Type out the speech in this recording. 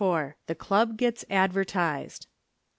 THE CLUB GETS ADVERTISED.